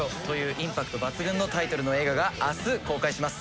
インパクト抜群のタイトルの映画があす公開します。